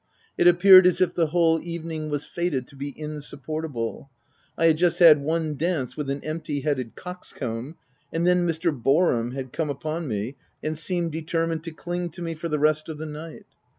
— It appeared as if the whole evening was fated to be insupportable : I had just had one dance with an empty headed coxcomb, and then Mr. Boarham had come upon me, and seemed determined to cling to me for the rest of the night.